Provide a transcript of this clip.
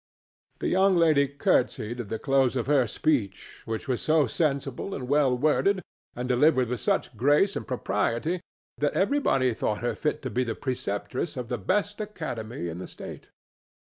The young lady courtesied at the close of her speech, which was so sensible and well worded, and delivered with such grace and propriety, that everybody thought her fit to be preceptress of the best academy in the State.